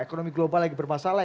ekonomi global lagi bermasalah